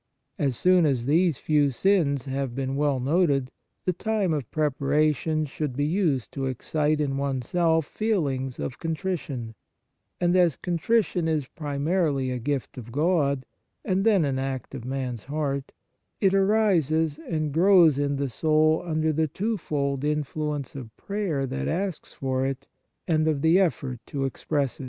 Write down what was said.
As soon as these few sins have been well noted, the time of preparation should be used to excite in oneself feelings of con trition ; and as contrition is primarily a gift of God, and then an act of man s heart, it arises and grows in the soul under the twofold influence of prayer that asks for it, and of the effort to express it.